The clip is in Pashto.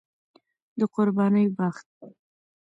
د قربانۍ وخت